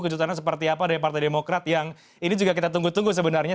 kejutannya seperti apa dari partai demokrat yang ini juga kita tunggu tunggu sebenarnya